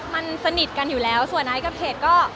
มันสนิทกันอยู่แล้วส่วนไอซ์กับเขตก็